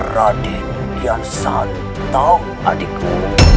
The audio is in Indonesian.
raden kian santang adikku